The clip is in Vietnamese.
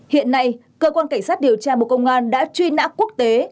hiện nay cơ quan cảnh sát điều tra bộ công an đã truy nã quốc tế